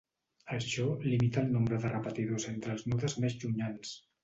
Això limita el nombre de repetidors entre els nodes més llunyans.